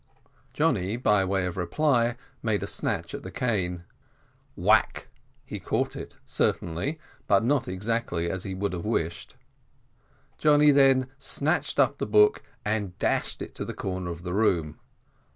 Johnny, by way of reply, made a snatch at the cane. Whack he caught it, certainly, but not exactly as he would have wished. Johnny then snatched up the book, and dashed it to the corner of the room.